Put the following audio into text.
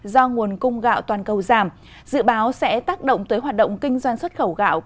do nguồn cung gạo toàn cầu giảm dự báo sẽ tác động tới hoạt động kinh doanh xuất khẩu gạo